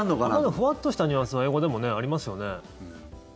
フワッとしたニュアンスって英語でもありますよね。